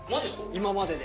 今までで。